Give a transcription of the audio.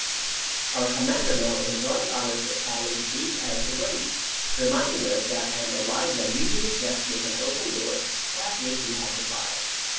Our commander now enjoined on us a silence deep as the grave, reminding us that Aunt Eliza usually slept with an open door, past which we had to file.